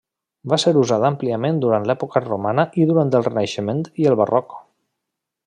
Va ser usat àmpliament durant l'època romana i durant el Renaixement i el Barroc.